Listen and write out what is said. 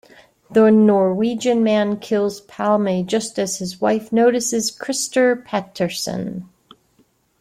The Norwegian man kills Palme just as his wife notices Christer Pettersson.